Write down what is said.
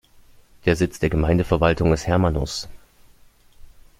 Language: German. Der Sitz der Gemeindeverwaltung ist Hermanus.